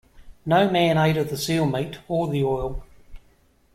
No man ate of the seal meat or the oil.